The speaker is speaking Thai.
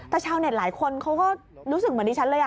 แต่ชาวเน็ตหลายคนเขาก็รู้สึกเหมือนดิฉันเลย